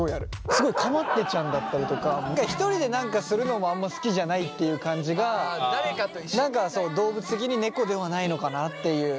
すごいかまってちゃんだったりとか一人で何かするのもあんま好きじゃないっていう感じが動物的に猫ではないのかなっていう。